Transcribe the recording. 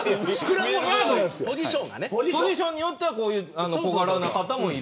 ポジションによっては小柄な方もいる。